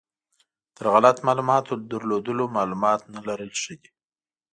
تر غلط معلومات لرل معلومات نه لرل ښه دي.